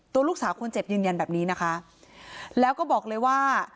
ตัวลูกสาวคนเจ็บยืนยันแบบนี้นะคะแล้วก็บอกเลยว่า